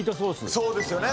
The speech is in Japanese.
そうですよね。